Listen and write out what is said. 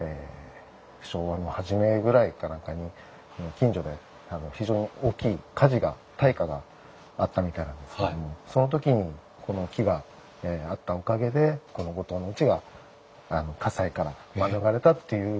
昭和の初めぐらいか何かに近所で非常に大きい火事が大火があったみたいなんですけどその時にこの木があったおかげでこの後藤のうちが火災から免れたっていう。